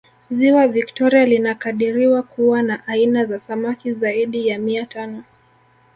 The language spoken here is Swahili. ziwa victoria linakadiriwa kuwa na aina za samaki zaidi ya mia tano